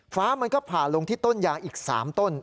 มันก็ผ่าลงที่ต้นยางอีก๓ต้น